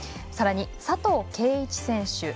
さらに佐藤圭一選手